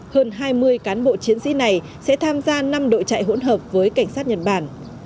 hơn hai mươi cán bộ chiến sĩ này sẽ tham gia năm đội chạy hỗn hợp với cảnh sát nhật bản